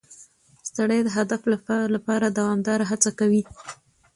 سړی د هدف لپاره دوامداره هڅه کوي